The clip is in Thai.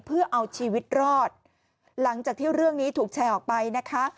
เพื่อเอาชีวิตรอดหลังจากที่เรื่องนี้ถูกแชร์ออกไปนะคะ